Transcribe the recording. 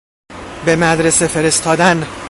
به مدرسه فرستادن